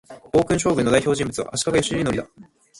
暴君将軍の代表人物は、足利義教だ